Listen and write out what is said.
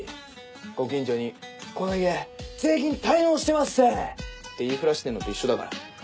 ご近所に「この家税金滞納してまっせ！」って言い触らしてんのと一緒だから。